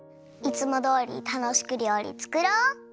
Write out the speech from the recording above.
いつもどおりたのしくりょうりつくろう！